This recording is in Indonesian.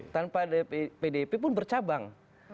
tanpa pdip pun bercabang